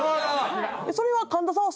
それは神田さんは。